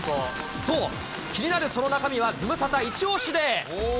そう、気になるその中身は、ズムサタいち押し！で。